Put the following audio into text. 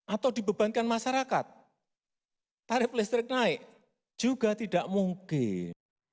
atau dibebankan masyarakat tarif listrik naik juga tidak mungkin